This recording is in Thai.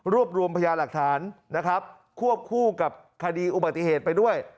รวมรวมพญาหลักฐานนะครับควบคู่กับคดีอุบัติเหตุไปด้วย